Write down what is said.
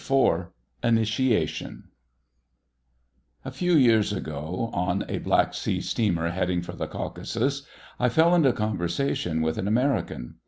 IV INITIATION A few years ago, on a Black Sea steamer heading for the Caucasus, I fell into conversation with an American.